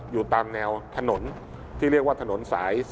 อยู่ตามแนวถนนที่เรียกว่าถนนสาย๔